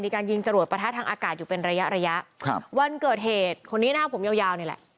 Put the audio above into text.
มีการยิงจรวดประทะทางอากาศอยู่เป็นระยะวันเกิดเหตุคนนี้หน้าผมยาวนี่แหละ